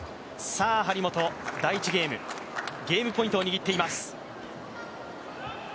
張本、ゲームポイントを握っています。